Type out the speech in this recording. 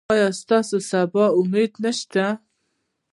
ایا ستاسو سبا ته امید نشته؟